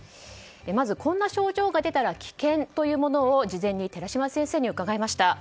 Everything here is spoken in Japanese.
まずこんな症状が出たら危険というものを事前に寺嶋先生に伺いました。